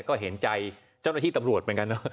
ก็เห็นใจเจ้าหน้าที่ตำรวจเหมือนกันเนอะ